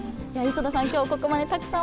磯田さん